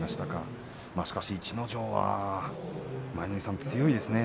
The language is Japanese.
しかし逸ノ城は舞の海さん強いですね。